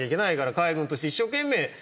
海軍として一生懸命言うと。